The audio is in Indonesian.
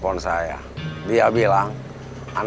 keonly ada di rekaman